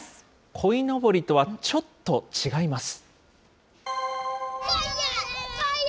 こいのぼりとはちょっと違います。